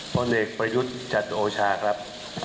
พลเอกประยุทธ์จันโอชาครับ